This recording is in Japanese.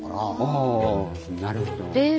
あなるほど。